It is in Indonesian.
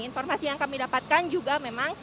informasi yang kami dapatkan juga memang